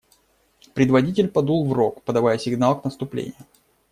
Предводитель подул в рог, подавая сигнал к наступлению.